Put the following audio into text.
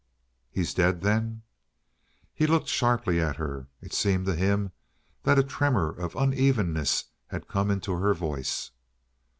"He's dead, then?" He locked sharply at her. It seemed to him that a tremor of unevenness had come into her voice.